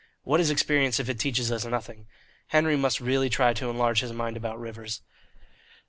What is experience if it teaches us nothing? Henry must really try to enlarge his mind about rivers.